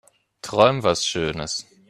Träum was schönes.